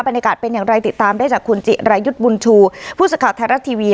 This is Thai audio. บรรยากาศเป็นอย่างไรติดตามได้จากคุณจิไรทบุญชูผู้สำคัญทัยรัฐที่วี